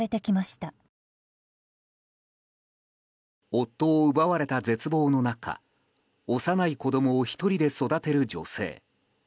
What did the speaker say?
夫を奪われた絶望の中幼い子供を１人で育てる女性。